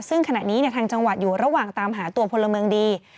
ซึ่งขณะนี้ทางจังหวัดอยู่ระหว่างตามหาตัวพลเมืองดี